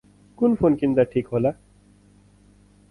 कुन फोन किन्दा ठीक होला?